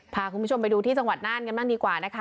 พาคุณผู้ชมไปดูที่จังหวัดน่านกันบ้างดีกว่านะคะ